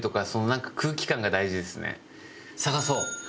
探そう。